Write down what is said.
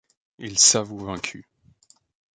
Il s’avoue vaincu.